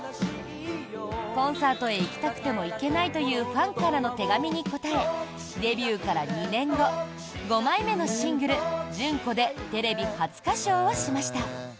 コンサートへ行きたくても行けないというファンからの手紙に応えデビューから２年後５枚目のシングル「順子」でテレビ初歌唱をしました。